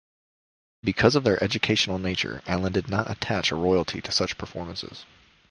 Because of their educational nature, Allen did not attach a royalty to such performances.